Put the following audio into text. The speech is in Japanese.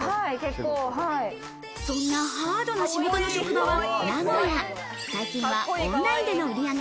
そんなハードな仕事の職場は名古屋。